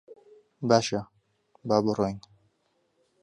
باشە، با بڕۆین.